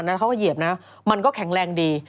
นั้นเขาก็เหยียบนะมันก็แข็งแรงดี